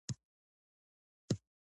دویم لیدلوری سیاسي او ټولنیز دی.